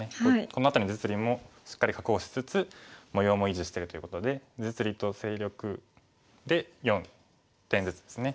この辺りの実利もしっかり確保しつつ模様も維持してるということで実利と勢力で４点ずつですね。